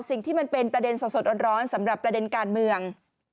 สิ่งที่มันเป็นประเด็นสดร้อนสำหรับประเด็นการเมือง